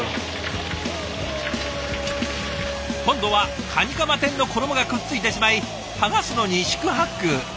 今度はカニカマ天の衣がくっついてしまい剥がすのに四苦八苦。